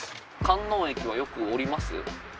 観音駅はよく降ります？